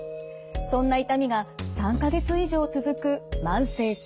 そんな痛みが３か月以上続く慢性痛。